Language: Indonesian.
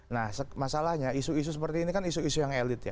nah masalahnya isu isu seperti ini kan isu isu yang elit ya